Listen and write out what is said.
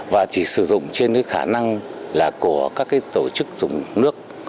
và chỉ sử dụng trên khả năng là của các tổ chức dùng nước